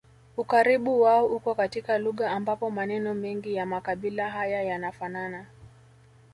Ukaribu wao uko katika lugha ambapo maneno mengi ya makabila haya yanafanana